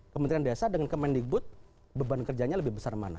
kementerian desa dengan kemendikbud beban kerjanya lebih besar mana